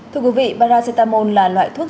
thưa quý vị paracetamol là loại thuốc